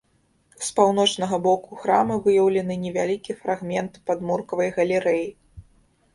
З паўночнага боку храма выяўлены невялікі фрагмент падмуркавай галерэі.